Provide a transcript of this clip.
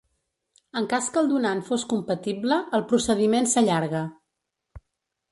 En cas que el donant fos compatible, el procediment s’allarga.